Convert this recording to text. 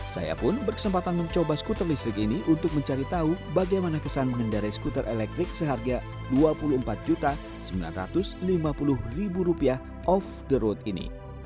saya pun berkesempatan mencoba skuter listrik ini untuk mencari tahu bagaimana kesan mengendarai skuter elektrik seharga rp dua puluh empat sembilan ratus lima puluh off the road ini